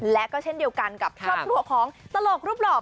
และก็เช่นเดียวกันกับครอบครัวของตลกรูปหล่อ